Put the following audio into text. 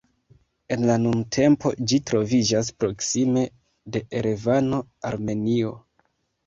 En la nuntempo ĝi troviĝas proksime de Erevano, Armenio.